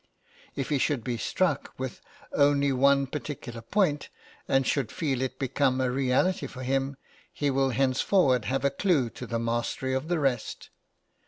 If he should be struck with only one particular point and should feel it become a reality for {LIFE OF MOZART.} (xxiv) him, he will henceforward have a clue to the mastery of the rest.